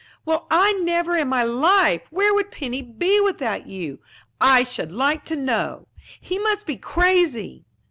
Well, I never in my life! Where would Penny be without you, I should like to know! He must be crazy."